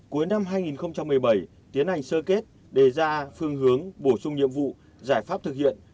cuối năm hai nghìn một mươi bảy tiến hành sơ kết đề ra phương hướng bổ sung nhiệm vụ giải pháp thực hiện